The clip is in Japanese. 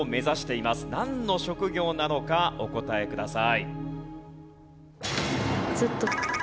なんの職業なのかお答えください。